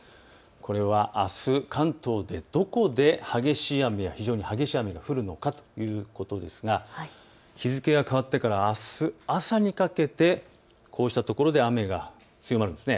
これは、あす関東でどこで激しい雨、非常に激しい雨が降るのかということですが日付が変わってからあす朝にかけてこうした所で雨が強まるんです。